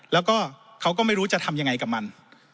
แล้วก็เขาก็ไม่รู้จะทำยังไงกับมัน